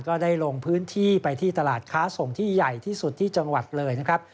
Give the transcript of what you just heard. ก็ได้ลงพื้นที่ไปที่ตลาดค้าส่งที่ใหญ่ที่สุดที่จังหวัดเลยนะครับ